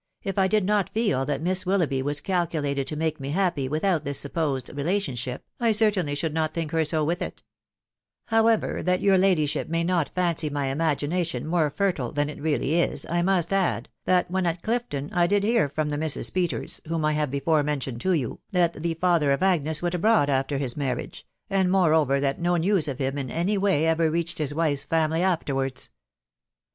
If I did not feel that Miss Willoughby was calculated to make me happy with out this supposed relationship, I cettaiitV} &usv&& to*. *&&&. her so with it. However, that your la&y&ivp xaa.^ xtf*. Sss*52* my imagination more fertile than it reaY^ V*9 ■«*»■*^»^ when at Clifton, I did hear from the M\%se% ^»> ^tff0 486 THE WIDOW BADNABT. litve before mentioned to you, that the father of Agnes went Abroad after his marriage, and moreover that no newa»of him in any way ever reached his wife's family afterwards."